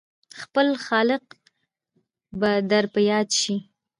خپل خالق به در په ياد شي !